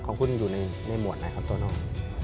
ของคุณอยู่ในหมวดไหนครับโตโน่